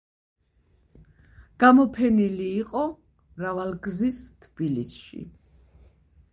გამოფენილი იყო: მრავალგზის თბილისში.